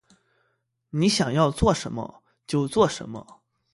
你想要做什么？就做什么